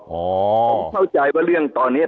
ผมเข้าใจว่าเรื่องตอนนี้